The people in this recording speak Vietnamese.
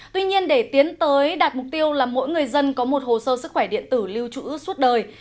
tuy nhiên để tiến tới đạt mục tiêu là mỗi người dân có một hồ sơ sức khỏe điện tử lưu trữ suốt đời